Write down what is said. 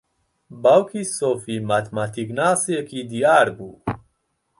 باوکی سۆفی ماتماتیکناسێکی دیار بوو.